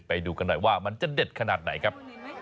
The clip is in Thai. ไปดูกันหน่อยว่ามันจะเด็ดขนาดไหนครับ